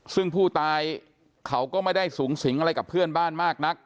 ซึ่งผู้ตายเขาก็ไม่ได้สูงสิงอะไรกับเพื่อนบ้านมากนัก